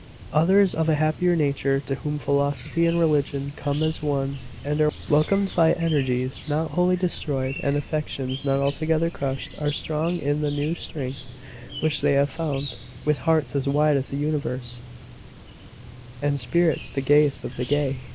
"Others, of a happier nature, to whom philosophy and religion come as one, and are welcomed by energies not wholly destroyed, and affections not altogether crushed, are strong in the new strength which they have found, with hearts as wide as the universe, and spirits the gayest of the gay."